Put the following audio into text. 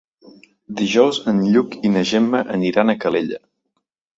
Dijous en Lluc i na Gemma aniran a Calella.